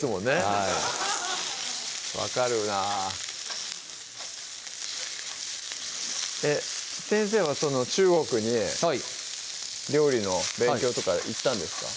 はい分かるな先生はその中国にはい料理の勉強とか行ったんですか？